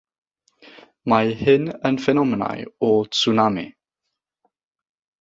Mae hyn yn ffenomenau ôl-tsunami.